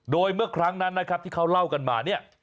โดยเมื่อครั้งนั้นนะครับที่เขาเล่ากันมาเนี่ย